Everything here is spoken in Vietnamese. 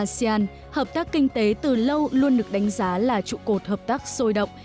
hội nghị asean am hợp tác kinh tế từ lâu luôn được đánh giá là trụ cột hợp tác sôi động